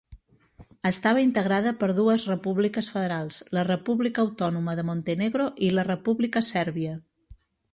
Estava integrada per dues repúbliques federals: la República Autònoma de Montenegro i la República Sèrbia.